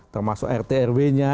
termasuk rtrw nya